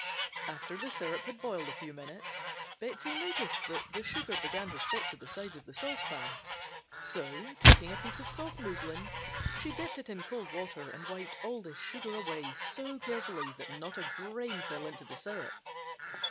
After the syrup had boiled a few minutes, Betsey noticed that the sugar began to stick to the sides of the saucepan. So taking a piece of soft muslin she dipped it in cold water and wiped all this sugar away so carefully that not a grain fell in the syrup.